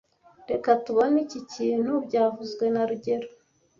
Reka tubone iki kintu byavuzwe na rugero